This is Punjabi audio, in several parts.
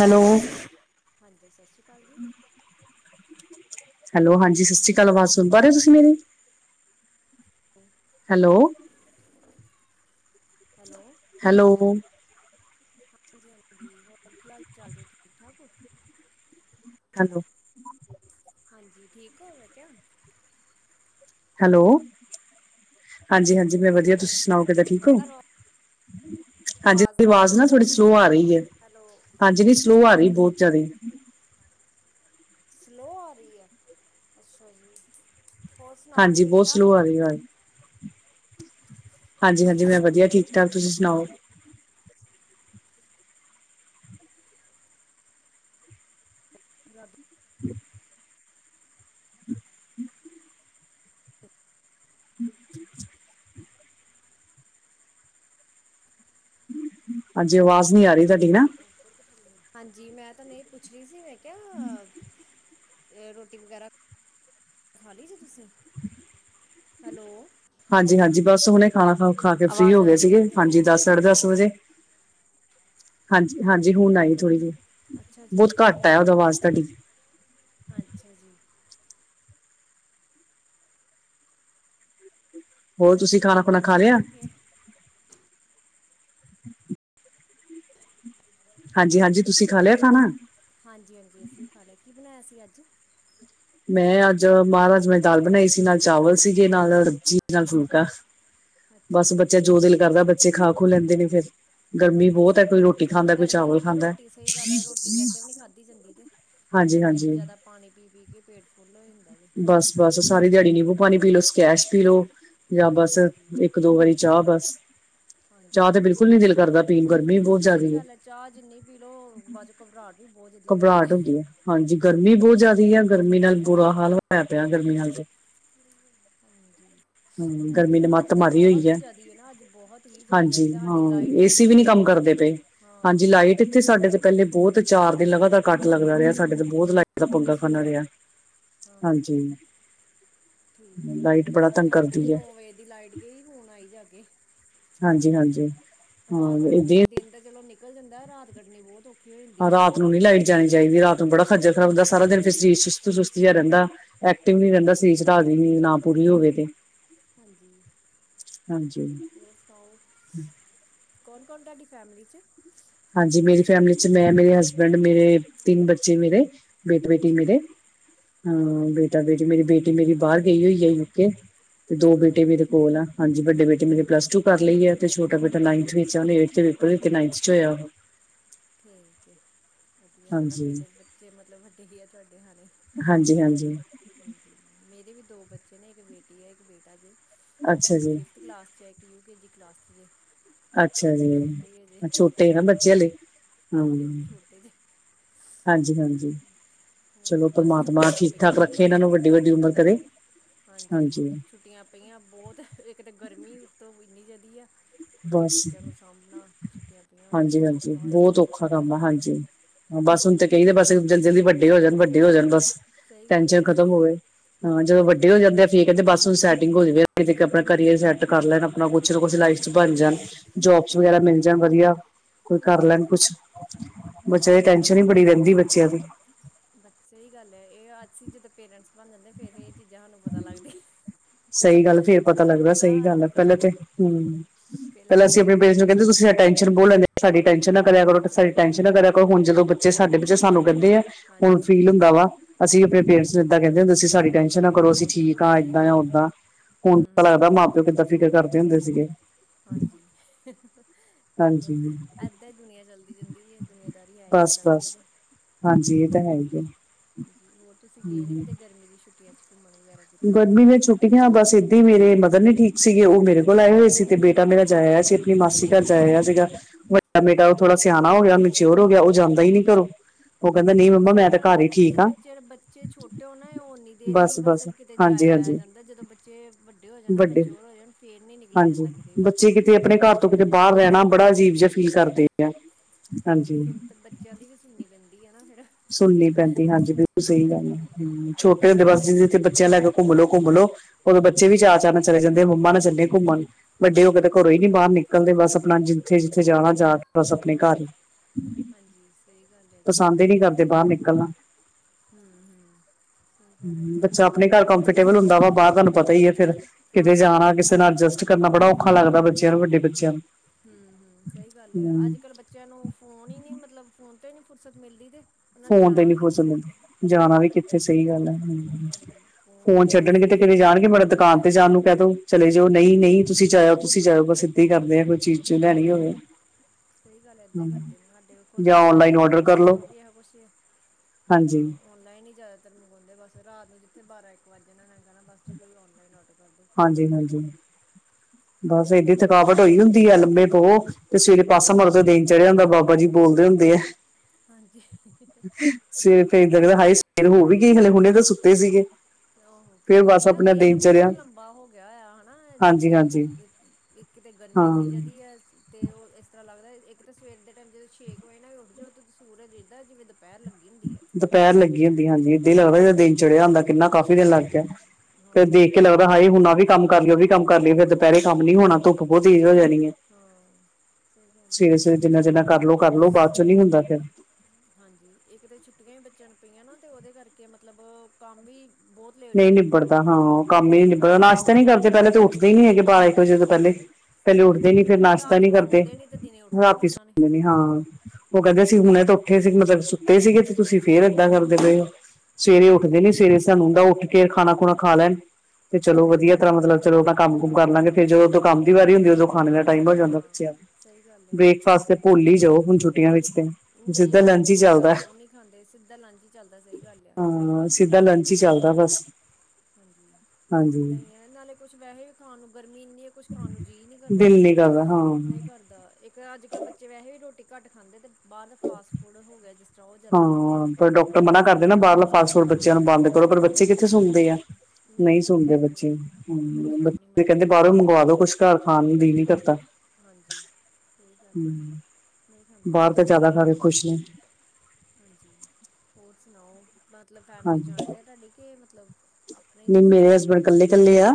ਹੈਲੋ ਹਾਂਜੀ ਸਸ ਸ੍ਰੀ ਕਾਲ ਜੀ। ਹੈਲੋ ਹਾਂਜੀ ਸਸ ਸ੍ਰੀ ਕਾਲ ਆਵਾਜ਼ ਸੁਣ ਪਾ ਰਹੇ ਹੋ ਤੁਸੀਂ ਮੇਰੀ? ਹਮ ਹੈਲੋ ਹੈਲੋ ਹੈਲੋ ਹਾਂਜੀ-ਹਾਂਜੀ ਹੋਰ ਕੀ ਹਾਲ ਚਾਲ ਏ, ਠੀਕ ਠਾਕ ਹੋ। ਹੈਲੋ ਹਾਂਜੀ ਠੀਕ ਹੋ ਮੈਂ ਕਿਆ। ਹੈਲੋ ਹਾਂਜੀ-ਹਾਂਜੀ ਮੈਂ ਵਧੀਆ, ਤੁਸੀਂ ਸੁਣਾਓ ਕਿਦਾਂ ਠੀਕ ਹੋ? ਤੁਹਾਨੂੰ ਹਾਂਜੀ ਨਹੀਂ ਆ ਆਵਾਜ਼ ਰਹੀ ਨਾ ਥੋੜ੍ਹੀ ਸਲੋਅ ਆ ਰਹੀ ਹੈ। ਹੈਲੋ ਹਾਂਜੀ ਨੀ ਸਲੋਅ ਆ ਰਹੀ ਬਹੁਤ ਜਾਦਾ ਈ। ਸਲੋਅ ਆ ਰਹੀ ਹੈ, ਅੱਛਾ ਜੀ। ਹੋਰ ਸੁਣਾਓ ਹਾਂਜੀ ਠੀਕ ਬਹੁਤ ਠਾਕ ਸਲੋਅ ਜੀ ਆਹੀ ਆਵਾਜ਼। ਹਾਂਜੀ-ਹਾਂਜੀ ਮੈਂ ਵਧੀਆ ਠੀਕ-ਠਾਕ ਤੁਸੀਂ ਸੁਣਾਓ। [unintelligible] ਹਾਂਜੀ ਆਵਾਜ਼ ਨੀ ਆ ਰਹੀ ਤੁਹਾਡੀ ਨਾ ਹਾਂਜੀ ਮੈਂ ਤੁਹਾਨੂੰ ਇਹ ਪੁੱਛ ਰਹੀ ਸੀ ਮੈਂ ਕਿਆ ਹਮ ਤੇ ਰੋਟੀ ਵਗੈਰਾ ਖਾ ਲਈ ਜੇ ਤੁਸੀਂ। ਹੈਲੋ। ਹਾਂਜੀ-ਹਾਂਜੀ ਬਸ ਹੁਣੇ ਖਾਣਾ ਖਾ, ਖਾ ਕੇ ਫਰੀ ਆਵਾਜ਼ ਹੋ ਆ ਗਏ ਰਹੀ ਹੈ ਸੀਗੇ, ਦੀਦੀ ਹਾਂਜੀ ਦਸ ਸਾਢੇ ਦਸ ਵਜੇ ਹਾਂਜੀ-ਹਾਂਜੀ ਹੁਣ ਆਈ ਥੋੜ੍ਹੀ ਜਿਹੀ। ਅੱਛਾ ਜੀ ਬਹੁਤ ਘੱਟ ਹੈ ਠੀਕ ਉਦਾ ਵਾਜ਼ ਤੁਹਾਡੀ। ਅੱਛਾ ਜੀ। ਹੋਰ ਸਭ ਤੁਸੀਂ ਘਰ ਖਾਣਾ-ਖੁਣਾ ਵਗੈਰਾ ਖਾ ਸੋ ਲਿਆ। ਸੂ ਗਏ ਹਾਂਜੀ-ਹਾਂਜੀ ਤੁਸੀਂ ਖਾ ਲਿਆ ਖਾਣਾ। ਹਾਂਜੀ ਹਾਂਜੀ ਅਸੀਂ ਖਾ ਲਿਆ, ਕੀ ਬਣਾਇਆ ਸੀ ਅੱਜ। ਮੈਂ ਅੱਜ ਮਾਂ ਰਾਜਮਾ ਦੀ ਦਾਲ ਬਣਾਈ ਸੀ ਨਾਲ ਚਾਵਲ ਸੀਗੇ ਨਾਲ [unintelligible] ਨਾਲ ਫੁਲਕਾ। ਅੱਛਾ ਬਸ ਜੀ ਬੱਚਾ ਜੋ ਠੀਕ ਦਿਲ ਹੈ। ਕਰਦਾ ਬੱਚੇ ਖਾ ਖੂ ਲੈਂਦੇ ਨੇ ਫੇਰ। ਗਰਮੀ ਹਾਂਜੀ ਬੋਤ ਐ, ਸਹੀ ਕੋਈ ਗੱਲ ਰੋਟੀ ਹੈ ਖਾਂਦਾ, ਕੋਈ ਗਰਮੀ ਚਾਵਲ ਹੈਗੀ ਖਾਂਦਾ। ਰੋਟੀ ਸਹੀ ਗੱਲ ਹੈ ਰੋਟੀ ਵੈਸੇ ਵੀ ਨਹੀਂ ਖਾਧੀ ਜਾਂਦੀ ਤੇ ਗਰਮੀ 'ਚ ਹਾਂਜੀ-ਹਾਂਜੀ। ਜ਼ਿਆਦਾ ਪਾਣੀ ਪੀ-ਪੀ ਕੇ ਪੇਟ ਫੁੱਲ ਹੋ ਜਾਂਦਾ ਜੇ। ਬਸ-ਬਸ ਸਾਰੀ ਦਿਹਾੜੀ ਨੀਬੂ ਪਾਣੀ ਪੀ ਲੋ, ਸਕੈਸ਼ ਪੀ ਲੋ। ਯਾ ਹਾਂਜੀ ਬਸ ਹਾਂਜੀ ਇੱਕ ਦੋ ਵਾਰੀ ਚਾਹ ਬਸ। ਹਾਂਜੀ ਚਾਹ ਤੇ ਬਿਲਕੁਲ ਨੀ ਦਿਲ ਬਸ ਕਰਦਾ ਪੀਣ ਗਰਮੀ ਬੋਤ ਸਹੀ ਜੈਦੀ ਏ। ਗੱਲ ਹੈ ਚਾਹ ਜਿੰਨੀ ਪੀ ਲਓ ਬਾਚ ਘਬਰਾਹਟ ਵੀ ਬੋਤ ਜ ਘਬਰਾਹਟ ਹੁੰਦੀ ਐ, ਹਾਂਜੀ, ਗਰਮੀ ਬਹੁਤ ਜੈਦੀ ਆ, ਗਰਮੀ ਨਾਲ ਬੁਰਾ ਹਾਲ ਹੋਇਆ ਪਿਆ ਗਰਮੀ ਨਾਲ ਤੇ। ਹਾਂਜੀ। ਹੂੰ ਬੋਤ ਜ ਗਰਮੀ ਨੇ ਅੱਜ ਮੱਤ ਤਾਂ ਮਾਰੀ ਹੋਈ ਬਹੁਤ ਈ ਹੈ। ਜੈਦੀ ਐ ਨਾ, ਅੱਜ ਬਹੋਤ ਈ ਜੈਦੀ ਐ ਹਾਂਜੀ ਹਾਂ ਤੁਹਾਡੀ ਲਾਈਟ ਵੀ ਏਸੀ ਨੀ ਸਵੇ ਕੰਮ ਕਰਦੇ ਪਏ। ਹਾਂ। ਹਾਂਜੀ ਲਾਈਟ ਇੱਥੇ ਸਾਡੇ ਤੇ ਪਹਿਲੇ ਬੌਤ ਚਾਰ ਦਿਨ ਲਗਾਤਾਰ ਕੱਟ ਹਾਂਜੀ ਲੱਗਦਾ ਰਿਆ, ਸਾਡੇ ਤੋਂ ਬੌਤ ਲਾਈ ਦਾ ਪੰਗਾ ਅੱਛਾ ਖਾਂਦਾ ਜੀ ਰਿਆ। ਹਾਂ ਹਾਂ ਹਾਂਜੀ, ਲਾਈਟ ਬੜਾ ਤੰਗ ਸਾਡੀ ਵੀ ਕਰਦੀ ਹੈ ਨੌ ਵਜੇ ਦੀ ਲਾਈਟ ਗਈ, ਹੁਣ ਆਈ ਜਾ ਕੇ। ਹਾਂਜੀ-ਹਾਂਜੀ। ਹਾਂ ਰਾਤ ਕੱਢਨੀ, ਏਦੇ ਦਿਨ ਤਾਂ ਚਲੋ ਨਿਕਲ ਜਾਂਦਾ, ਰਾਤ ਕੱਢਣੀ ਬਹੁਤ ਓਖ ਹਾਂ, ਰਾਤ ਨੂੰ ਨੀ ਲਾਈਟ ਜਾਣੀ ਚਾਈਦੀ, ਰਾਤ ਨੂੰ ਬੜਾ ਖੱਜਲ ਖਰਾਬ ਹੁੰਦਾ ਸਾਰਾ ਦਿਨ ਫਿਰ ਸਰੀਰ ਸੁਸਤ-ਸੁਸਤ ਸੀਆ ਰਹਿੰਦਾ, ਹਾਂਜੀ ਐਕਟਿਵ ਨਈ ਸਹੀ ਰਹਿੰਦਾ ਗੱਲ ਹੈ ਸੀਸ ਰਾਤ ਦੀ ਨੀਂਦ ਨਾ ਪੂਰੀ ਹੋਵੇ ਤੇ। ਹਾਂਜੀ, ਹਾਂਜੀ। ਹੋਰ ਸੁਣਾਓ। ਕੌਣ-ਕੌਣ ਤੁਆਡੀ ਫੈਮਿਲੀ ਚ ਹਾਂਜੀ, ਮੇਰੀ ਫੈਮਲੀ ਚ ਮੈਂ, ਮੇਰੇ ਹਸਬੈਂਡ, ਮੇਰੇ ਤਿੰਨ ਬੱਚੇ ਮੇਰੇ। ਬੇਟ ਬੇਟੀ ਅੱਛਾ ਮੇਰੇ ਜੀ ਹਾਂ, ਠੀਕ ਹੈ ਬੇਟਾ-ਬੇਟੀ ਮੇਰੀ ਬੇਟੀ ਮੇਰੀ ਬਾਹਰ ਗਈ ਹੋਈ ਐ ਯੁਕੇ। ਤੇ ਦੋ ਅੱਛਾ ਬੇਟੇ ਜੀ ਮੇਰੇ ਕੋਲ ਆ ਹਾਂਜੀ, ਵੱਡੇ ਬੇਟੇ ਮੇਰੇ ਪਲੱਸ ਟੂ ਕਰ ਲਈ ਆ ਤੇ ਛੋਟ ਟਾ ਬੇਟਾ ਨਾਈਂਥ ਹਾਂਜੀ ਵਿੱਚ ਆ, ਏਠਥ ਦੇ ਪੇਪਰ ਦੀਤੇ, ਨਾਈਂਥ ਚ ਹੋਇਆ। ਠੀਕ ਏ, ਵਦੀਆ ਹੈਨਾ ਹਾਂਜੀ ਬੇਟੇ ਬੱਚੇ ਮਤਲਬ ਵੱਡੇ ਹੀ ਆ ਤੁਆਡੇ ਹਾਣੀ। ਹਾਂਜੀ-ਹਾਂਜੀ। ਹਾਂਜੀ, ਮੇਰੇ ਵੀ ਦੋ ਬੱਚੇ ਨੇ ਇੱਕ ਬੇਟੀ ਐ, ਇੱਕ ਬੇਟਾ ਜੇ। ਅੱਛਾ ਇੱਕ ਜੀ ਫਿਫਥ ਕਲਾਸ ਚ ਐ, ਇੱਕ ਯੁ ਕੇ ਜੀ ਕਲਾਸ ਚ ਦੇ। ਅੱਛਾ ਜੀ, ਛੋਟੇ ਨਾ ਬੱਚੇ ਹਲੇ। ਹਾਂਜੀ-ਹਾਂਜੀ, ਛੋਟੇ ਜੇ। ਹਾਂਜੀ-ਹਾਂਜੀ, ਹੋਰ ਚਲੋ ਬਸ ਪਰਮਾਤਮਾ ਛੁੱਟੀਆਂ ਪਈਆਂ ਠੀਕ-ਠਾਕ ਰੱਖੇ ਹੋਈਆਂ ਇਹਨਾਂ ਵਾ ਨੂੰ ਵੱਡੀ- ਵੱਡੀ ਉਮਰ ਇਹਨਾਂ ਕਰੇ। ਨੂੰ ਹਾਂਜੀ, ਛੁੱਟੀਆਂ ਪਈਆਂ ਬੌਤ ਇੱਕ ਤੇ ਗਰਮੀ ਉੱਤੋਂ ਇੰਨੀ ਜੈਦੀ ਆ ਉੱਤੋਂ ਬਸ ਬੱਚਿਆਂ ਨੂੰ ਸਾਂਭਣਾ ਛੁੱਟੀਆਂ ਪਈਆਂ ਹੋਣ ਤਾਂ ਬਹੁਤ ਹਾਂਜੀ-ਹਾਂਜੀ ਹੋ ਬਹੁਤ ਜਾਂਦਾ ਔਖਾ ਕੰਮ ਆ ਹਾਂਜੀ, ਹਾ ਬਸ ਹੁਣ ਹਾਂਜੀ ਤੇ ਇੱਕ ਕਹਿੰਦੇ ਬਸ ਜਲਦੀ-ਜਲਦੀ ਵੱਡੇ ਹੋ ਜਾਣ-ਵੱਡੇ ਹੋ ਜਾਣ ਬਸ। ਸਹੀ ਗੱਲ ਪੈਂਚਰ ਆ ਖਤਮ ਹੋਵੇ। ਹਾਂ, ਜਦੋਂ ਵੱਡੇ ਹਾਂਜੀ ਹੋ ਜਾਂਦੇ ਆ ਫੇਰ ਕਹਿੰਦੇ ਬਸ ਸੈਟਿੰਗ ਹੋ ਜਾਵੇ ਹੂੰ ਆਪਣਾ ਕਰੀਅਰ ਸੈਟ ਕਰ ਲੈਣ ਆਪਣਾ ਕੁਛ ਨਾ ਹਾਂਜੀ ਕੁਛ ਹਾਂਜੀ ਲਾਈਫ ਚ ਬਣ ਜਾਣ, ਜੋਬਸ ਹੂੰ ਵਗੈਰਾ ਹੂੰ ਮਿਲ ਜਾਣ ਵਧੀਆ। ਕੋਈ ਕਰ ਲੈਣ ਹਾਂਜੀ ਕੁਛ ਬੱਚਿਆਂ ਦੀ ਸਹੀ ਟੈਨਸ਼ਨ ਗੱਲ ਹੀ ਹੈ ਬੜੀ ਰਹਿੰਦੀ ਬੱਚਿਆਂ ਦੀ। ਬਚ ਸਹੀ ਗੱਲ ਹੈ ਇਹ ਅੱਸੀ ਜਦੋਂ ਪੇਰੈਂਟਸ ਬਣ ਜਾਂਦੇ ਫੇਰ ਇਹ ਚੀਜ਼ਾਂ ਸਾਨੂੰ ਪਤਾ ਲੱਗਦੀਆਂ। ਸਈ ਗੱਲ ਫੇਰ ਪਤਾ ਲੱਗਦਾ, ਉੱਦਾਂ ਸਈ ਗੱਲ ਐ ਪੈਲਾਂ ਤੇ ਹਾਂਜੀ ਹੂੰ, ਪੈਲਾਂ ਪਹਿਲਾਂ ਅਸੀਂ ਅੱਗੇ ਆਪਣੇ ਪੇਰੈਂਟਸ ਨੂੰ ਕਹਿੰਦੇ ਤੁਸੀਂ ਸਾਡੇ ਹੁੰਦਾ ਟਾਈਮ ਸੀ ਸ਼ਨ ਬੋਲ ਲੈਂਦੇ, ਸਾਡੀ ਟੈਨਸ਼ਨ ਨਾ ਕਰਿਆ ਕਰੋ, ਸਾਡੀ ਹਾਂਜੀ ਟੈਂਨਸ਼ਨ ਨਾ ਕਰਿਆ ਕੋ ਹੁਣ ਜਦੋਂ ਬੱਚੇ ਸਾਡੇ ਵਿੱਚ ਸਾਨੂੰ ਕਹਿੰਦੇ ਐ, ਹੁਣ ਹਾਂਜੀ ਫੀਲ ਹੁੰਦਾ ਵਾ ਅਸੀਂ ਅਪਣੇੇ ਪੇਰੈਂਟਸ ਨੂੰ ਇੱਦਾ ਕਹਿੰਦੇ ਹੁੰਦੇ ਸੀ ਸਾਡੀ ਟੈਂਨਸ਼ਨ ਨਾ ਕਰੋ ਅਸੀ ਠੀਕ ਆ, ਸਹੀ ਏਦਾ ਆ ਗੱਲ ਓ ਦਾ, ਹੂੰ ਹੁਣ ਪਤਾ ਹੂੰ ਲੱਗਦਾ ਮਾਂ ਪਿਓ ਕਿੱਦਾਂ ਫਿਕਰ ਕਰਦੇ ਹੁੰਦੇ ਸੀਗੇ। ਹਾਂਜੀ, ਚਲੋ ਹਾਂਜੀ ਏਦਾਂ ਈ ਦੁਨੀਆਂ ਚੱਲਦੀ ਜਾਂਦੀ ਐ, ਦੁਨੀਆਂਦਾਰੀ ਹੈ ਈ ਬਸ ਇੱਦਾਂ ਦੀ ਐ। ਬਸ ਹ [inaudible] ਹਾਂਜੀ, ਇਹ ਤਾਂ ਹੈਈ ਐ। ਹਾਂਜੀ, ਹੋਰ ਤੁਸੀਂ ਗਏ ਨੇ ਕਿਤੇ ਗਰਮੀ ਦੀ ਛੁੱਟਿਆਂ ਚ ਘੁੰਮਣ ਵਗੈਰਾ। ਕਿਤੇ ਵੀ ਗਰਮੀ ਨੇ ਛੁੱਟੀਆਂ ਬਸ ਏਦਾਂ ਈ ਮੇਰੇ ਮਦਰ ਨੀ ਠੀਕ ਸੀਗੇ ਉਹ ਮੇਰੇ ਕੋਲ ਆਏ ਹੋਏ ਹਾਂਜੀ ਸੀ ਤੇ ਬੇਟ ਟਾ ਮੇਰਾ ਜਾ ਆਇਆ ਸੀ ਅਪਣੀ ਮਾਸੀ ਘਰ ਜਾ ਆਇਆ ਸੀਗਾ। ਵਡਾ ਬੇਟਾ ਉਹ ਹਾਂਜੀ ਥੋੜਾ ਸਿਆਣਾ ਹੋ ਗਿਆ, ਮੇਚਓਰ ਹੋ ਗਿਆ ਉਹ ਜਾਂਦਾ ਹੂੰ ਈ ਨੀ ਹੂੰ ਘਰੋ। ਹਾਂ ਸਹੀ ਗੱਲ ਬੱਚੇ ਜਿੰਨਾ ਚਿਰ ਬੱਚੇ ਛੋਟੇ ਹੋ ਨਾ ਉਹ ਉਨੀ ਦੇਰ ਹੀ ਬਸ ਤੇ ਜਾਇਆ-ਆਇਆ ਜਾਂਦਾ, ਜਦੋਂ ਬੱਚੇ ਵੱਡੇ ਹੋ ਜਾਣ ਵੱਡੇ ਮੈਚੋਰ ਹੋ ਜਾਣ ਫੇਰ ਨੀ ਨਿਕਲਿਆ ਹਾਂਜੀ ਜਾਂਦਾ। ਕਿਤੇ ਵੀ ਬੱਚੇ ਕਿਤੇ ਆਪਣੇ ਘਰ ਤੋਂ ਫਿਰ ਕਿਤੇ ਬੱਚਿਆਂ ਬਾਹਰ ਦੀ ਵੀ ਰਹਿਣਾ ਸੁਣਨੀ ਬੜਾ ਅਜੀਬ ਪੈਂਦੀ ਹੈ ਜਿਹਾ ਫੀਲ ਕਰਦੇ ਆ। ਹਾਂਜੀ। ਫਿਰ ਤਾਂ ਬੱਚਿਆਂ ਦੀ ਵੀ ਸੁਣਨੀ ਪੈਂਦੀ ਹੈ ਨਾ ਫੇਰ। ਸੁਣਨੀ ਪੈਂਦੀ ਹਾਂਜੀ, ਬਿਲਕੁਲ ਸਹੀ ਗੱਲ ਹੂੰ ਫਿਰ ਛੋਟੇ ਹੁੰਦੇ ਤੁਹਾਡੇ ਬਸ ਜ ਵਰਗੇ ਜਥੇ ਚਲਾ ਗਿਆ ਘੁਮ ਲੋ ਘੁਮ ਲੋ। ਉਦੋਂ ਬੱਚੇ ਵੀ ਸਹੀ ਗੱਲ ਹੈ ਚਾਹ-ਚਾਹ ਨਾਲ ਚਲੇ ਜਾਂਦੇ ਮੰਮਾ ਨਾਲ ਚੱਲਦੇ ਘੁੰਮਣ ਵੱਡੇ ਹੋ ਕੇ ਤਾਂ ਹਾਂ ਘਰੋਂ ਹੀ ਬਾਹਰ ਨਿਕਲਦੇ ਬਸ ਆਪਣਾ ਜਿੱਥੇ-ਜਿੱਥੇ ਜਾਣਾ ਜਾ ਬਸ ਆਪਣੇ ਘਰ ਹੀ ਹਾਂਜੀ ਸਹੀ ਗੱਲ ਹੈ ਜੀ ਪਸੰਦ ਹੀ ਨਹੀਂ ਕਰਦੇ ਬਾਹਰ ਨਿਕਲਣਾ। ਹੂੰ-ਹੂੰ। ਸਹੀ ਗੱਲ ਹੈ ਹੂੰ ਨਹੀਂ ਬੱਚਾ ਆਪਣੇ ਨਿਕਲਦੇ ਘਰ ਅੱਜ ਕੰਫਰਟੇਬਲ ਕੱਲ੍ਹ ਹੁੰਦਾ ਵਾ ਬਾਹਰ ਤੁਹਾਨੂੰ ਪਤਾ ਹੀ ਆ ਫੇਰ ਕਿਤੇ ਹਾਂਜੀ ਜਾਣਾ ਕਿਸੇ ਨਾਲ ਐਡਜਸਟ ਕਰਨਾ ਬੜਾ ਔਖਾ ਲੱਗਦਾ ਬੱਚਿਆਂ ਨੂੰ ਵੱਡੇ ਬੱਚਿਆਂ ਨੂੰ। ਹੂੰ- ਹੂੰ ਸਹੀ ਗੱਲ ਆ ਹਮ ਅੱਜ- ਕੱਲ ਬੱਚੇ ਬੱਚਿਆਂ ਨੂੰ ਫੋਨ ਹੀ ਨੀ ਮਤਲਬ ਫੋਨ ਤੋਂ ਹੀ ਨੀ ਫੁਰਸਤ ਮਿਲਦੀ ਤੇ। ਉਹਨਾਂ ਨੇ ਫੋਨ ਤੇ ਜਾਣਾ ਨੀ ਵੀ ਹੋ ਫੁਰਸਤ ਕਿੱਥੇ ਹੈ ਮਿਲਦੀ ਜਾਣਾ ਵੀ ਕਿੱਥੇ ਸਹੀ ਗੱਲ ਹੈ। ਫੋਨ ਛੱਡਣਗੇ ਤੇ ਕਿਤੇ ਜਾਣਗੇ ਮੇੜ ਦੁਕਾਨ ਤੇ ਜਾਣ ਨੂੰ ਕਹਿ ਤੌ ਚਲੇ ਜਾਓ ਹਾਂਜੀ ਨਹੀਂ-ਨਹੀਂ, ਤੁਸੀਂ ਜਾਹਇਓ ਤੁਸੀਂ ਜਾਹਇਓ ਬਸ ਏਦਾਂ ਹੀ ਕਰਦੇ ਆ ਕੋਈ ਹਾਂਜੀ ਚੀਜ਼ ਚ ਹਾਂਜੀ ਲੈਣੀ ਹੋਵੇ ਸਹੀ ਗੱਲ ਏਦਾਂ ਕਰਦੇ ਨੇ ਸਾਡੇ ਖੁਦ ਜਾਂ ਔਨਲਾਈਨ ਜੇਹੇ ਔਡਰ ਛੋਟੇ ਨੇ ਤੇ ਕਰਲੋ ਉਹ ਵੀ ਇਹ ਕੁਛ ਹਾਂ। ਹਾਂਜੀ ਔਨਲਾਈਨ ਹੀ ਜ਼ਿਆਦਾਤਰ ਮੰਗਵਾਉਂਦੇ ਬਸ ਰਾਤ ਨੂੰ ਜਿੱਥੇ ਬਾਰਾਂ ਇੱਕ ਵੱਜ ਜਾਣਾ ਮਹਿੰਗਾਣਾ ਬਸ ਜੀ ਕੋਈ ਆਨਲਾਈਨ ਔਡਰ ਕਰ ਦਿਉ ਹਾਂਜੀ-ਹਾਂਜੀ, ਬਸ ਹਾਂਜੀ ਏਡੀ ਥਕਾਵਟ ਹੋਈ ਹੁੰਦੀ ਹੈ ਲੰਮੇ ਪੋਹ ਤੇ ਸਵੇਰੇ ਪਾਸਾ ਮਰ ਤੋਂ ਦੇਨ ਚੜ੍ਹਿਆ ਹੁੰਦਾ ਬਾਬਾ ਜੀ ਬੋਲਦੇ ਹੁੰਦੇ ਆ। ਹਾਂਜੀ ਸਵੇਰੇ ਠੀਕ ਫੇਰ ਹੈ ਲੱਗਦਾ ਹਾਏ ਸਿਰ ਹੋ ਵੀ ਗਈ ਹਲੇ ਹੁਣੇ ਤਾਂ ਸੁੱਤੇ ਸੀਗੇ। ਆਹੋ ਫੇਰ ਪਤਾ ਨੀ ਬਸ ਨਾ ਆਪਣਾ ਦਿਨ ਬਹੁਤ ਚੜਿਆ ਲੰਬਾ ਹੋ ਗਿਆ ਆ ਹੈਣਾ ਹਾਂਜੀ ਜਿਵੇਂ ਹਾਂਜੀ ਇੱਕ ਤਾਂ ਗਰਮੀ ਇੰਨੀ ਹਾਂ ਜ਼ਿਆਦਾ ਹੈ। ਤੇ ਉਹ ਇਸ ਤਰ੍ਹਾਂ ਲੱਗਦਾ ਇੱਕ ਤਾਂ ਸਵੇਰ ਦੇ ਟਾਈਮ ਜਦੋਂ ਛੇ ਕੁ ਵਜੇ ਵੀ ਉੱਠ ਜਾਓ ਉੱਤਾਂ ਸੂਰਜ ਹੈ ਜਿੱਦਾ ਜਿਵੇਂ ਦੁਪਹਿਰ ਲੱਗ ਇੰਡੀਆ। ਪੈਰ ਲੱਗੀ ਹੁੰਦੀ ਹਾਂਜੀ, ਇੱਦ ਹੀ ਲੱਗਦਾ ਦਿਨ ਚੜਿਆ ਹੁੰਦਾ ਕਿੰਨਾ ਕਾਫ਼ੀ ਦਿਨ ਲੱਗ ਹਾਂ ਗਿਆ। ਫੇਰ ਹਾਂ ਦੇਖ ਕੇ ਲੱਗਦਾ ਹਾਏ ਟਾਈਮ ਹੀ ਹੁਣ ਨਹੀਂ ਵੀ ਕੰਮ ਕਰ ਬੀਤਿਆ ਲਿਓ ਉਹ ਵੀ ਜਾਂਦਾ ਤੇ ਕੰਮ ਕਰ ਲਿਓ ਫਿਰ ਦੁਪਹਿਰੇ ਕੰਮ ਨੀ ਹੋਣਾ ਧੁੱਪ ਬਹੁਤ ਤੇਜ਼ ਹੋ ਜਾਣੀ ਹਾਂ ਸਹੀ ਗੱਲ ਹੈ ਏਦਾਂ ਸਵੇਰੇ-ਸਵੇਰੇ ਹੀ ਹੁੰਦਾ ਜਿੰਨਾ ਹੈ। ਜਿੰਨਾ ਕਰਲੋ ਕਰਲਓ ਬਾਅਦ ਚੋਂ ਨੀ ਹੁੰਦਾ ਫੇਰ ਹਾਂਜੀ, ਇੱਕ ਤਾਂ ਛੁੱਟੀਆਂ ਹੀ ਬਚਣ ਪਈਆਂ ਨਾ ਤੇ ਉਹਦੇ ਕਰਕੇ ਮਤਲਬ ਕੰਮ ਵੀ ਬਹੁਤ ਲੇਟ ਨਹੀਂ ਹੋ ਜਾਂਦਾ ਵਾ ਨਿਬੜਦਾ ਹਾਂ ਕੰਮ ਹੀ ਨੀ ਨਿਬੜਦਾ ਨਾਸ਼ਤਾ ਨਹੀਂ ਹਾਂ ਕਰਦੇ ਪਹਿਲਾਂ ਤੇ ਉੱਠ ਕੇ ਨੀ ਹੈਗੇ ਬਾਰਾਂ ਹੂੰ ਇੱਕ ਵਜੇ ਤੋਂ ਹੂੰ ਪਹਿਲੇ ਤੇ ਸਹੀ -ਪਹਿਲੇ ਗੱਲ ਹੈ ਉੱਠਦੇ ਨੀ ਨਹੀਂ ਫੇ ਨਾਸ਼ਤਾ ਰਾਤ ਨੀ ਨੂੰ ਕਰਦੇ ਸੌਂਦੇ ਨਹੀਂ ਤੇ ਦਿਨੇ ਉੱਠਣਾ ਨਹੀਂ ਰਾਤੀ ਉਹਨਾਂ ਨੇ ਸੌਂਨਨੀ ਦੇ। ਹਾਂ ਉਹ ਕਹਿੰਦੇ ਅਸੀਂ ਹੁਣੇ ਇਹ ਤਾਂ ਉੱਠੇ ਸੀ ਮਤਲਬ ਸੁੱਤੇ ਸੀਗੇ ਤੇ ਤੁਸੀਂ ਫੇਰ ਏਦਾਂ ਕਰਦੇ ਪਏ ਹੋ। ਸਵੇਰੇ ਹਾਂਜੀ ਉੱਠਦੇ ਨੀ, ਸਵੇਰੇ ਸਾਨੂੰ ਹੁੰਦਾ। ਉੱਠ ਕੇ ਖਾਣਾ ਖੁਣਾ ਖਾ ਲੈਣ। ਤੇ ਚਲੋ ਹਾਂਜੀ ਵਧੀਆ ਇਸ ਤਰ੍ਹਾਂ ਹਾਂਜੀ ਮਤਲਬ ਚਲੋ, ਆਪਾਂ ਕੰਮ ਕੁਮ ਕਾਰ ਲਾਗੇੇ। ਫੇਰ ਜਦੋਂ ਉਦੋਂ ਕੰਮ ਦੀ ਵਾਰੀ ਹੁੰਦੀ, ਉਦੋਂ ਖਾਣੇ ਟਾਈਮ ਹੋ ਜਾਂਦਾ ਬੱਚਿਆਂ, ਹਾਂ ਸਹੀ ਗੱਲ ਆ ਬ੍ਰੇਕਫਾਸਟ ਤੇ ਭੁਲੀ ਹੀ ਜਾਓ, ਹੁਣ ਛੁੱਟੀਆਂ ਵਿੱਚ ਤੇ ਸਿੱਧਾ ਨਹੀਂ ਲੰਚ ਹੀ ਹੁੰਦਾ। ਚੱਲਦਾ ਉਹ ਨਹੀਂ ਖਾਂਦੇ, ਸਿੱਧਾ ਲੰਚ ਹੀ ਚਲਦਾ, ਸਹੀ ਗੱਲ ਆ ਬ੍ਰੇਕਫਾਸਟ ਨਹੀਂ ਸਿੱਧਾ ਹੁੰਦਾ। ਲੰਚ ਹੀ ਹਾਂ ਚੱਲਦਾ ਬਸ ਹਾਂਜੀ, ਹਾਂਜੀ ਏਦਾਂ ਹੀ ਹੈ, ਨਾਲੇ ਕੁਛ ਵੈਸੇ ਵੀ ਖਾਣ ਨੂੰ ਗਰਮੀ ਇੰਨੀ ਕੁਛ ਖਾਣ ਨੂੰ ਜੀਅ ਨਹੀ ਕਰਦਾ ਦਿਲ ਤੇ ਨੀ ਕਰਦਾ ਹਾਂ ਨਹੀਂ ਕਰਦਾ। ਇੱਕ ਅੱਜ-ਕੱਲ੍ਹ ਬੱਚੇ ਵੈਸੇ ਵੀ ਰੋਟੀ ਘੱਟ ਖਾਂਦੇ ਅਤੇ ਬਾਹਰ ਦਾ ਫਾਸਟ ਫੂਡ ਹੋ ਗਿਆ ਜਿਸ ਤਰ੍ਹਾਂ ਉਹ ਜ਼ਿਆਦਾ ਖਾਂਦੇ ਹਾਂ, ਜੇ ਪਰ ਡਾਕਟਰ ਮਨਾ ਕਰਦੇ ਨਾ ਬਾਹਰਲਾ ਫਲਸ ਫੂ ਹਾਂ ਬੱਚਿਆਂ ਨੂੰ ਬੰਦ ਕਰੋ ਪਰ ਬੱਚੇ ਕਿੱਥੇ ਸੁਣਦੇ ਆ। ਨਹੀਂ ਸੁਣਦੇ ਬੱਚੇ ਹੂੰ ਆਪਣੀ ਬੱਚੇ ਕਹਿੰਦੇ ਮਰਜ਼ੀਆਂ ਬਾਹਰੋਂ ਕਰਦੇ ਮੰਗਵਾ ਦੋ ਕੁਛ ਘਰ ਖਾਣ ਜੀ ਨੀ ਕਰਦਾ। ਹਾਂਜੀ ਸਹੀ ਗੱਲ ਹੈ, ਹਮ ਨਹੀਂ ਖਾਂਦੇ ਬਾਹਰ ਬੱਚੇ ਤਾਂ ਅਜ ਜ਼ਿਆਦਾ ਕੱਲ ਖਾ ਦੇ ਕੇ ਖੁਸ਼ ਨੇ ਹਾਂਜੀ, ਹੋਰ ਸੁਣਾਓ? ਮਤਲਬ ਫੈਮਿਲੀ ਜੁਆਇੰਟ ਹੈ ਤੁਹਾਡੀ ਕਿ ਮਤਲਬ ਆਪਣਾ ਹੀ ਨਹੀਂ, ਤੁਸੀਂ ਮੇਰੇ ਹਸਬੈਂਡ ਇਕੱਲੇ ਕੱਲੇ ਆ,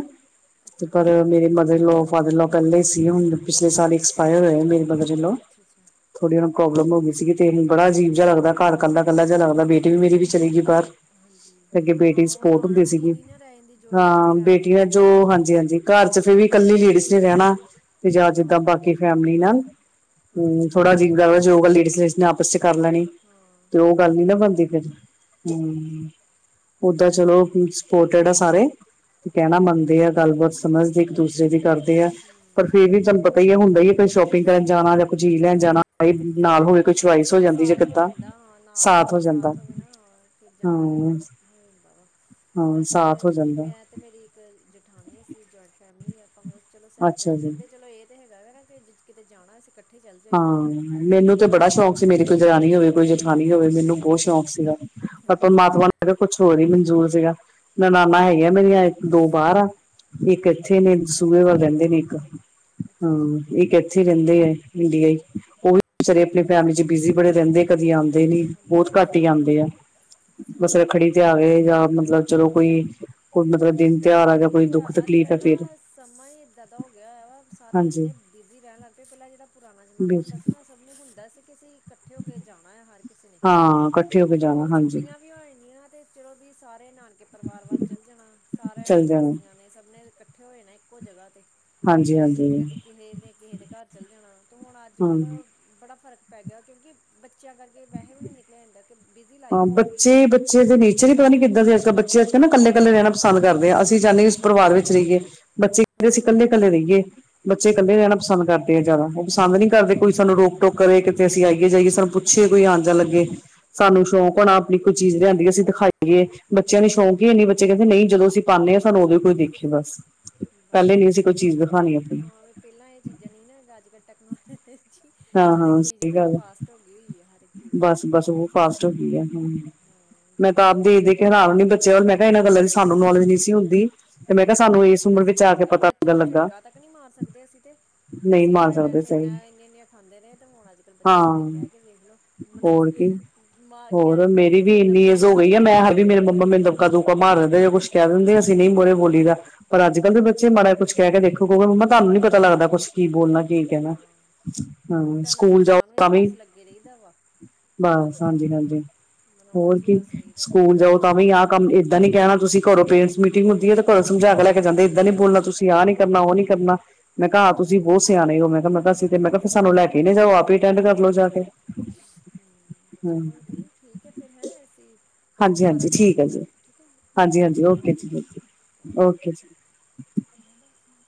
ਤੇ ਅੱਛਾ ਜੀ ਪਰ ਮੇਰੇ ਮਦਰ ਇਨਲੋ ਬਾਦਲਾਂ ਪੈਦਾ ਹੁੰਦੇ ਪਿਛਲੇ ਸਾਲ ਆਏ ਹੋਏ ਮੇਰੀ ਮਦਰ ਇਨਲੋ ਅੱਛਾ ਅੱਛਾ ਥੋੜੀ ਓਨਾ ਨੂੰ ਠੀਕ ਹੈ ਪ੍ਰੋਬਲਮ ਹੋ ਗਈ ਸੀਗੀ। ਦਿਲ ਨੂੰ ਬੜਾ ਅਜੀਬ ਜਿਹਾ ਲੱਗਦਾ, ਘਰੱਲਾੱਲਾਿਹਾ ਲੱਗਦਾ ਬੇਟੀ ਵੀ ਮੇਰੀ ਵੀ ਚਲੇ ਗਈ ਬਾਹਰ। ਹਾਂਜੀ। ਅੱਗੇ ਬੇਟੀ ਉਹ ਸਪੋਰਟ ਹੁੰਦੀ ਰੌਣਕ ਜੀ ਸੀਗੀ ਨੀ ਨਾ ਰਹਿਣ ਦੀ ਹਾਂ ਬੇਟੀਆ ਜੋ ਹਾਂਜੀ, ਹਾਂਜੀ ਘਰ ਚ ਫਿਰ ਵੀ ਇਕੱਲੀ ਲੇਡੀਜ਼ ਨੇ ਰਹਿਣਾ ਤੇ ਜਾਂ ਜਿੱਦਾਂ ਹਾਂ ਬਾਕੀ ਫੈਮਲੀ ਨਾਲ ਹਾਂਜੀ ਹਮ ਥੋੜਾ ਹਾਂਜੀ ਅਜਿਬ ਜਯਾ ਵੇ, ਜੋ ਗਾਲ ਲੇਡੀ- ਲੇਡੀਜ਼ ਨੇ ਆਪਸ ਚ ਕਰ ਲੈਣੀ। ਹਾਂ ਤੇ ਉਹ ਗੱਲ ਨੀ ਨਾ ਸਹੀ ਬਣਦੀ, ਹੈ ਫਿਰ ਹਾਂਜੀ ਹੂੰ, ਓਦਾਂ ਇੱਦਾਂ ਚਲੋ ਹੀ ਹੋ ਕੁਝ ਜਾਂਦਾ ਓਦਾ ਤਾ ਸਾਰੇ ਕਹਿਣਾ ਮੰਨਦੇ ਆ। ਹਾਂ ਗੱਲਬਾਤ ਸਮਝਦੇ, ਇੱਕ ਦੂਸਰੇ ਦੀ ਕਰਦੇ ਪਰ ਹੂੰ ਫੇਰ ਵੀ ਤੁਹਾਨੂੰ ਪਤਾ ਹੀ ਹੈ, ਹੁੰਦਾ ਹੀ ਕੋਈ ਸ਼ੋਪਿੰਗ ਕਰਨ ਜਾਣਾ ਜਾਂ ਕੁਈ ਚੀਜ਼ ਲੈਣ ਜਾਣਾ। ਨਾਲ ਹੋਵੇ ਕੋਈ ਹਾਂ ਚੁਆਇਸ ਹੋ ਸੌ ਜਾਂਦੀ ਜਾਂ ਸਾਥ ਹੋ ਕਿੱਦਾਂ ਜਾਂਦਾ ਹਾਂ। ਨਾਲ ਕੋਈ ਹੋ ਜਾਂਦਾ ਸਾਥ ਹੋਵੇ ਨਾ ਫਿਰ ਹਾਂ ਜਾਣਾ ਏ ਹੋਦਾ ਵਾ, ਹੁਣ ਹਾਂ ਇੱਧਰ ਸਾਥ ਹੋ ਅਸੀ ਜਾਂਦਾ ਮੈਂ ਤੇ ਮੇਰੀ ਇੱਕ ਜਠਾਣੀ ਸੀ। ਅਸੀਂ ਜੁਆਇੰਟ ਫੈਮਿਲੀ ਆਪਾਂ ਫੇਰ ਚਲੋ, ਅੱਛਾ ਸੈਪਰੇਟ ਹੀ ਜੀ ਰਹਿੰਦੇ ਚਲੋ ਇਹ ਤੇ ਤੇ ਹੈਗਾ ਹੈ ਨਾ। ਕਿ ਕਿਤੇ ਜਾਣਾ ਅਸੀ ਇੱਕ ਹਾਂ। ਮੈਨੂੰ ਤੇ ਬੜਾ ਸ਼ੌਕ ਸੀ, ਮੇਰੀ ਕੋਈ ਦਰਾਣੀ ਹੋਵੇ ਕੋਈ ਜੇ ਨੀ ਹੋਵੇ ਮੈਨੂੰ ਅੱਛਾ ਬਹੁਤ ਜੀ ਸ਼ੌਂਕ ਸੀਗਾ, ਪਰ ਪਰਮਾਤਮਾ ਕੁਛ ਹੋਰ ਹੀ ਮਨਜ਼ੂਰ ਸੀਗਾ। ਨੰਨਾੜਾ ਚਲੋ ਹੈਗੀਆਂ, ਮੇਰੀਆਂ ਇੱਕ -ਦੋ ਬਾਹਰ ਆ। ਇੱਕ ਅੱਛਾ ਇੱਥੇ ਨੇ ਦਸੂਏ ਵੱਲ ਰਹਿੰਦੇ ਨੇ ਇੱਕ ਅੱਛਾ ਅੱਛਾ ਹੂੰ, ਇਕ ਇੱਥੇ ਰਹਿੰਦੇ ਆ, ਨਿਊਜੀਲੈਡ ਉਹ ਵੀ ਵਚਾਰੇ ਆਪਣੀ ਹਾਂ ਫੈਮਲੀ ਚ ਬਿਜ਼ੀ ਬੜੇ ਰਹਿੰਦੇ ਐ। ਕਦੀ ਆਉਂਦੇ ਨੀ, ਹਾਂਜੀ ਬਹੁਤ ਘੱਟ ਹੀ ਆਉਂਦੇ ਐ। ਬਸ ਠੀਕ ਹੈ ਰੱਖੜੀ ਤੇ ਆ ਗਏ ਜਾਂ ਮਤਲਬ ਚਲੋ ਕੋਈ ਮਤਲਬ ਦਿਨ ਤਿਉਹਾਰ ਪਤਾ ਆ ਜਾਂ ਕੀ ਕੋਈ ਦੁੱਖ ਅੱਜ ਤਕਲੀਫ਼ ਕੱਲ੍ਹ ਹੈ ਫੇਰ ਨਾ ਸਮੇ ਬਦਲ ਗਿਆ ਐ। ਸਾਰੇ ਹਾਂਜੀ ਇੰਨੇ ਬਿਜ਼ੀ ਰਹਿਣ ਲੱਗ ਪਏ। ਪਹਿਲਾਂ ਜਿਹੜਾ ਪੁਰਾਣਾ ਜ਼ਮਾਨਾ ਹੁੰਦਾ ਸੀ ਨਾ ਸਭ ਨੂੰ ਹੁੰਦਾ ਸੀ, ਕਿ ਅਸੀਂ ਇਕੱਠੇ ਹੋ ਕੇ ਜਾਣਾ ਆ ਹਰ ਕਿਸੇ ਨੇ, ਹਾਂ ਇਕੱਠੇ ਹੋ ਕੇ ਉਦੋਂ ਜਾਣਾ ਹਾਂਜੀ ਛੁੱਟੀਆਂ ਵੀ ਹੋਦੀਆਂ ਤੇ ਚਲੋ ਵੀ ਸਾਰੇ ਨਾਨਕੇ ਪਰਿਵਾਰ ਵੱਲ ਚੱਲ ਜਾਣਾ। ਸਾਰਿਆਂ ਨੇ ਚੱਲ ਜਾਣਾ ਮਾਸੀਆਂ ਨੇ ਸਭ ਨੇ ਇਕਠ ਇਕੱਠੇ ਹੋਏ ਨੇ ਇੱਕੋ ਜਗ੍ਹਾ ਤੇ ਹਾਂਜੀ ਤੇ ਹਾਂਜੀ ਕਦੀ ਕਿਸੇ ਨੇ ਕਿਸੇ ਦੇ ਘਰ ਚੱਲ ਜਾਣਾ। ਤੇ ਹੁਣ ਅੱਜ ਹਾਂ -ਕੱਲ ਬੜਾ ਫ਼ਰਕ ਪੈ ਗਿਆ। ਕਿਉਂਕਿ ਬੱਚਿਆਂ ਕਰਕੇ ਵੈਸੇ ਵੀ ਨਹੀਂ ਨਿਕਲਿਆ ਜਾਦਾ। ਤੇ ਬਿਜੀਲ ਹਾਂ ਬੱਚੇ, ਬੱਚੇ ਦੇ ਨੀਚਰ ਨੀ ਪਤਾ ਨੀ ਕਿੱਦਾਂ ਦੀ। ਅੱਜ ਕੱਲ ਬੱਚੇ ਅੱਜ ਕ ਨਾ ਹਾਂ ਕੱਲੇ-ਕੱਲੇ ਰਹਿਣਾ ਪਸੰਦ ਕਰਦੇ ਹਾਂ, ਅਸੀਂ ਚਾਹੁੰਦੇ ਉਸ ਹਾਂਜੀ ਪਰਿਵਾਰ ਵਿੱਚ ਹਾਂਜੀ ਰਹੀਏ। ਬੱਚੇ ਕਹਿੰਦੇ ਅਸੀਂ ਹਾਂ ਇਕੱਲੇ, ਇਕੱਲੇ ਰਹੀਏ। ਬੱਚੇ ਇਕੱਲੇ ਰਹਿਣਾ ਹਾਂਜੀ ਪਸੰਦ ਕਰਦੇ ਆ ਜ਼ਿਆਦਾ। ਉਹ ਪਸੰਦ ਨਹੀਂ ਹਾਂ ਕਰਦੇ, ਕੋਈ ਹਾਂ ਸਾਨੂੰ ਰੋਕ-ਟੋਕ ਕਰੇ, ਕਿਤੇ ਅਸੀਂ ਆਈਏ-ਜਾਈਏ ਹਾਂ ਸਾਨੂੰ ਪੂ ਪਿੱਛੇ ਕੋਈ ਆਨ-ਜਾਣ ਲੱਗੇ, ਸਾਨੂੰ ਹਾਂਜੀ ਸ਼ੌਕ ਹੋਣਾ ਆਪਣੀ ਕੋਈ ਚੀਜ਼ ਲਿਆਂਦੀ ਅਸੀਂ ਦਿਖਾਈਏ। ਬੱਚਿਆਂ ਨੂੰ ਸ਼ੌਂਕ ਹੀ ਹੈ ਹਾਂ ਨੀ। ਬੱਚੇ ਕਹਿੰਦੇ ਨਹੀਂ, ਜਦੋਂ ਅਸੀਂ ਪਾਉਨੇ ਆਂ, ਸਾਨੂੰ ਉਦੋਂ ਕੋਈ ਦੇਖੇ ਬਸ। ਬਸ ਪਹਿਲੇ ਨੀ ਜੀ ਅਸੀਂ ਕੋਈ ਬਸ ਚੀਜ਼ ਦਿਖਾਉਣੀ ਆਪਣੀ। ਹਾਂ ਪਹਿਲਾਂ ਇਹ ਚੀਜ਼ਾਂ ਨਹੀਂ ਨਾ। ਅੱਜ ਕੱਲ ਟੈਕਨੋ [inaudible] ਹਾਂ ਹਰ ਇੱਕ ਹਾਂ ਚੀਜ਼ ਸਹੀ ਬੜੀ ਗੱਲ ਫਾਸਟ ਹੋ ਗਈ ਹੋਈ ਹੈ ਹਰ ਇੱਕ ਚੀਜ਼ ਬਸ ਬਸ ਉਹ ਫਾਸਟ ਬਹੁਤ ਗਈ ਏ ਹੁੰ ਹਾਂ ਮੈਂ ਤਾਂ ਆਪ ਜਨਰੇਸ਼ਨ ਦੇਖ-ਦੇਖ ਬਹੁ- ਹੈਰਾਨ ਬਹੁਤ ਹੋਨੀ ਆ ਅੱਗੇ ਚੱਲ ਬੱਚਿਆ ਵਲ ਗਈ ਹੈ ਮੈਂ ਕਿਹਾ ਇਹਨਾਂ ਦਾ ਲੰਚ ਸਾਨੂੰ ਨੌਲੇਜ ਨਹੀਂ ਸੀ ਹੁੰਦੀ। ਤੇ ਮੈਂ ਸਹੀ ਕਿਹਾ ਗੱਲ ਸਾਨੂੰ ਆ ਇਸ ਉਮਰ ਅਸੀਂ ਵਿੱਚ ਤਾਂ ਆ ਅੱਜ ਕੇ ਕੱਲ ਪਤਾ ਬੱਚਿਆਂ ਲੱਗਣ ਨੂੰ ਲੱਗਾ ਝਿੜਕਾ ਤੱਕ ਨਹੀਂ ਮਾਰ ਸਕਦੇ ਅਸੀਂ ਤੇ ਨਹੀਂ ਅਸੀਂ ਮਾਰ ਆਪਣੇ ਟਾਈਮ ਸਕਦੇ ਤੇ ਸਹੀ ਇੰਨਾ ਇੰਨੀਆਂ ਇੰਨੀਆਂ ਖਾਂਦੇ ਨੇ ਹੁਣ ਅੱਜ ਬੱਚਿਆਂ ਨੂੰ ਹਾਂ ਕਿਤੇ ਕਹਿ ਕੇ ਵੇਖ ਲਓ ਮ ਹੋਰ ਕੀ [inaudible] ਮ ਹੋਰ ਕ ਮੇਰੀ ਵੀ ਮਤਲਬ ਇੰਨੀ ਦਬਕਾ ਏਜ ਹੋ ਗਈ ਮਾਰਨ ਆ ਦੀ ਮੈਂ ਗੱਲ ਹਜੇ ਵੀ ਮੇਰੇ ਦੂਰ ਦੀ ਮੰਮਾ ਹੈ ਮੈਨੂ ਦਬਕਾ-ਦੁਬਕਾ ਮਾਰ ਦਿੰਦੇ। ਕੁਛ ਕਹ ਦਿੰਦੇ ਆ ਸੀ। ਨਹੀਂ ਮੋਹਰੇ ਹਾਂਜੀ ਬੋਲੀ ਦਾ, ਪਰ ਅੱਜ ਕੱਲ ਦੇ ਹੂੰ ਬੱਚੇ ਮਾੜਾ ਜਿਹਾ ਕੁਛ ਕਹਿ ਕੇ ਦੇਖੋ। ਕਿ ਮੰਮਾ ਤੁਹਾਨੂੰ ਨੀ ਪਤਾ ਲੱਗਦਾ ਕੁਛ, ਕੀ ਬੋਲਣਾ ਕੀ ਕਹਿਣਾ। ਹਾਂ ਹਾਂ ਉਲਟਾ ਇਹਨਾਂ ਨੂੰ ਸਕੂਲ ਜਾਓ ਮਨਾਉਣ ਚ ਤਾਂ ਈ ਵੀ ਬਸ ਲੱਗੇ ਰਹੀਦਾ ਵਾ। ਬਸ ਮੰਨਜਣ ਹਾਂਜੀ, ਹੁਣ ਹਾਂਜੀ ਮਨਾਉਣ ਹੋਰ 'ਚ ਹੀ ਕੀ ਬਸ ਰਹੀਦਾ ਇਹਨਾਂ ਨੂੰ ਸਕੂਲ ਜਾਓ ਤਾਂ ਵੀ ਆਹ ਕੰਮ ਏਦਾਂ ਨੀ ਕਹਿਣਾ ਤੁਸੀ, ਘਰੋਂ ਪੇਰੈਂਟਸ ਮੀਟਿੰਗ ਹੁੰਦੀ ਹੈ, ਤੇ ਘਰੋਂ ਸਮਝਾ ਕੇ ਲੈ ਕੇ ਜਾਂਦੇ, ਏਦਾਂ ਨੀੋ ਬੋਲਣਾ ਤੁਸੀਂ ਆ ਨੀ ਕਰਨਾ, ਉਹ ਨੀ ਹਾਂਜੀ ਕਰਨਾ। ਮੈਂ ਹੂੰ ਕਿਹਾ ਹੂੰ ਤੁਸੀਂ ਬਹੁਤ ਸਿਆਣੇ ਓ, ਮੈਂ ਕਿਹਾ ਦਸ ਤੇ ਮੈਂ ਕਿਹਾ ਤੇ ਸਾਨੂੰ ਲੈ ਕੇ ਨ ਜਾਓ। ਆਪ ਹੀ ਅਟੈਂਡ ਕਰਲਓ ਜਾ ਕੇ ਹੂੰ ਹੂੰ ਚਲੋ ਦੀ ਠੀਕ ਏ ਫਿਰ ਹੈਂ ਅਸੀਂ ਫਿਰ ਹਾਂਜੀ ਦੁਬਾਰਾ ਹਾਂਜੀ ਕੋਲ ਠੀਕ ਦੇ ਹੈ ਜੀ ਨਾਲ, ਠੀਕ ਏ ਓਕੇ ਜੀ। ਓਕੇ ਜੀ। ਉਹਨੂੰ ਦੱਸਣਾ